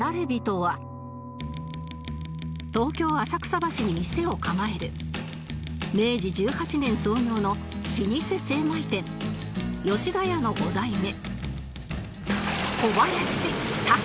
東京浅草橋に店を構える明治１８年創業の老舗精米店吉田屋の５代目